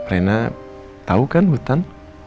rena tau kan hutan